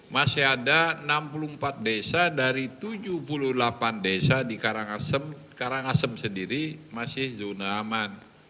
masih ada enam puluh empat desa dari tujuh puluh delapan desa di karangasem sendiri masih zona aman